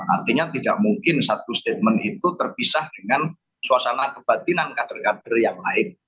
artinya tidak mungkin satu statement itu terpisah dengan suasana kebatinan kader kader yang lain